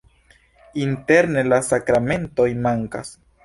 Interne la sakramentoj mankas.